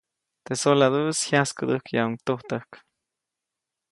Teʼ soladuʼis jyaskädäjkäyuʼuŋ tujtäjk.